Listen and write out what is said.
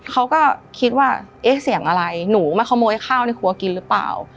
เขาก็คิดว่าเอ๊ะเสียงอะไรหนูมาขโมยข้าวในครัวกินหรือเปล่า